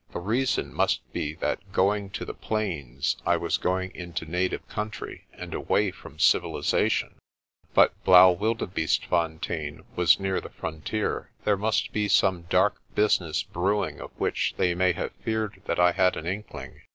The reason must be that going to the plains I was going into native country and away from civilisation. But Blaauwildebeeste 78 PRESTER JOHN fontein was near the frontier. There must be some dark business brewing of which they may have feared that I had an inkling.